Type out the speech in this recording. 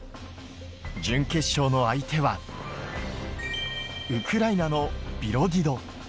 準決勝の相手はウクライナのビロディド。